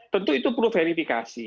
tentu itu perlu verifikasi